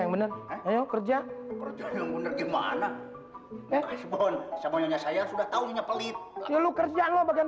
yang bener bener gimana kasbon sama nyanyi saya sudah tahunnya pelit ya lu kerja lo bagian